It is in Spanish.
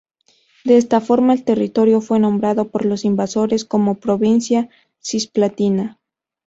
De esta forma, el territorio fue renombrado por los invasores como Provincia Cisplatina.